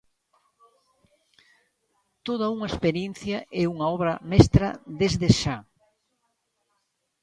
Toda unha experiencia e unha Obra Mestra desde xa.